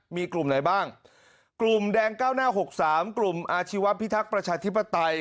มีกลุ่มไหนบ้างกลุ่มแดงเก้าหน้าหกสามกลุ่มอาชีวะพิทักษ์ประชาธิปไตย